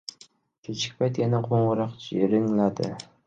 Kechki payt yana qo`ng`iroq jiringladi